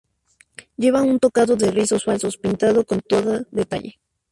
Lleva un tocado de rizos falsos pintado con todo detalle.